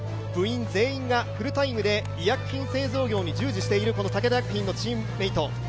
部員全員がフルタイムで医薬品製造業に従事している武田薬品のチームメート。